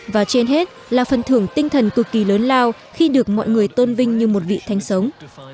và trên hết là phần thưởng tinh thần cực kỳ lớn lao khi được mọi người tôn vinh như một vị thánh sống